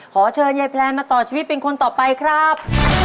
ขอเชิญยายแพลนมาต่อชีวิตเป็นคนต่อไปครับ